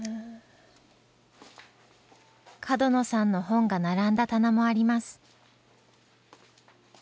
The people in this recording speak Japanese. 角野さんの本が並んだ棚もあります。